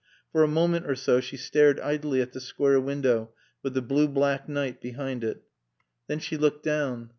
For a moment or so she stared idly at the square window with the blue black night behind it. Then she looked down.